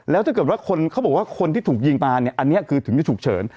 แล้วถ้าเกิดว่าคนเขาบอกว่าคนที่ถูกยิงมาเนี่ยอันนี้คือถึงจะฉุกเฉิน